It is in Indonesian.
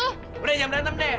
udah jangan berantem deh